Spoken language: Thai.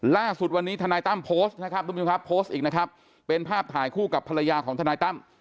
ล่าสุดวันนี้ทนายตั้มโพสต์นะครับทุกผู้ชมครับโพสต์อีกนะครับเป็นภาพถ่ายคู่กับภรรยาของทนายตั้ม